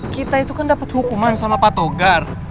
kita itu kan dapet hukuman sama patogar